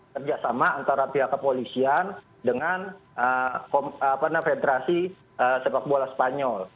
kerjasama antara pihak kepolisian dengan federasi sepak bola spanyol